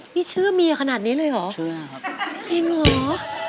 นี่ชื่อเมียขนาดนี้เลยเหรอเชื่อครับจริงเหรอ